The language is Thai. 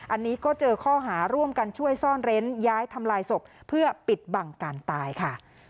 อันนี้ก็เจอข้อหาร่วมกันช่วยซ่อนเร้นย้ายทำลายศพเพื่อปิดบังการตายค่ะ